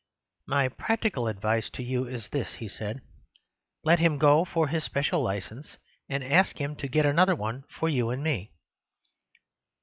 "My practical advice to you is this," he said: "Let him go for his special licence, and ask him to get another one for you and me."